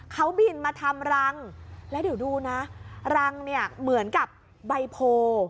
เขาบินมาทำรังแล้วเดี๋ยวดูนะรังเนี่ยเหมือนกับใบโพ